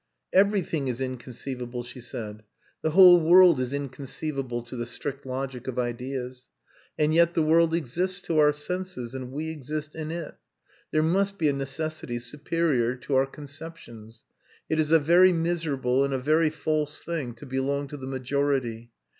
"Everything is inconceivable," she said. "The whole world is inconceivable to the strict logic of ideas. And yet the world exists to our senses, and we exist in it. There must be a necessity superior to our conceptions. It is a very miserable and a very false thing to belong to the majority.